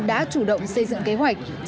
đã chủ động xây dựng kế hoạch